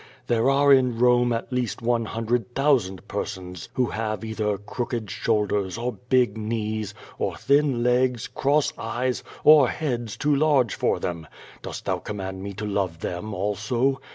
There are in Rome at least one hundred thou sand persons who have either crooked shoulders, or big knees, or thin legs, cross eyes, or heads too large for them. Dost QUO VADIS. 503 thou command me to love them also?